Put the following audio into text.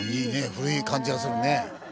古い感じがするね。